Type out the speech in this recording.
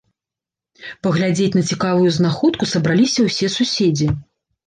Паглядзець на цікавую знаходку сабраліся ўсе суседзі.